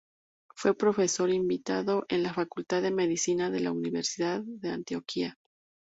Fue profesor invitado en la Facultad de Medicina de la Universidad de Antioquia.